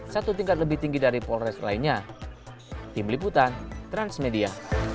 satu tingkat lebih tinggi dari polres lainnya